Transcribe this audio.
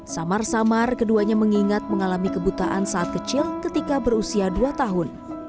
samar samar keduanya mengingat mengalami kebutaan saat kecil ketika berusia dua tahun